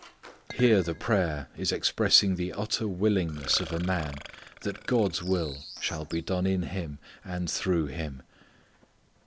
Here the prayer is expressing the utter willingness of a man that God's will shall be done in him, and through him.